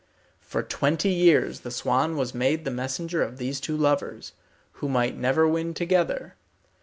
For twenty years the swan was made the messenger of these two lovers, who might never win together.